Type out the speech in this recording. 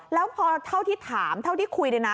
แล้วพอเท่าที่ถามเท่าที่คุยเนี่ยนะ